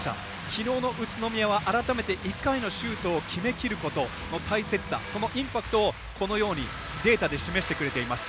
きのうの宇都宮は改めて、１回のシュートを決めきることの大切さ、そのインパクトをデータで示してくれています。